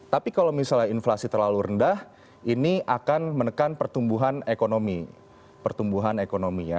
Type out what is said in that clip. tapi kalau misalnya inflasi terlalu rendah ini akan menekan pertumbuhan ekonomi